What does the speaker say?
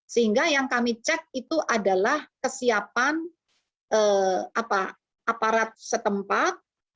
sehingga yang kami cek itu adalah kesiapan aparat setempat